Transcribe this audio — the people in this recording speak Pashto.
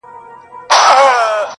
او لا ژوندي دي